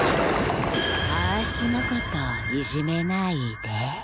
あーしのこといじめないで。